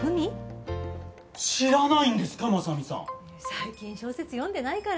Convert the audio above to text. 最近小説読んでないから。